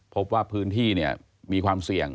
พบว่าพื้นที่มีความเสี่ยง